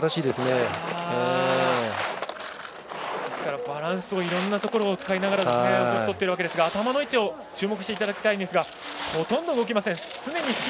ですからバランスをいろんなところを使いながら取っていますが頭の位置を注目していただきたいんですがほとんど動きません。